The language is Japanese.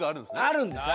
あるんですよ。